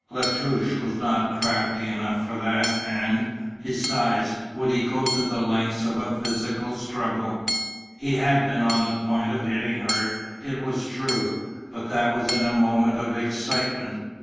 La Touche was not crafty enough for that and, besides, would he go to the lengths of a physical struggle? He had been on the point of hitting her, it was true, but that was in a moment of excitement.